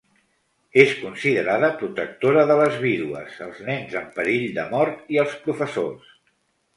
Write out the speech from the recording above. És considerada protectora de les vídues, els nens en perill de mort i els professors.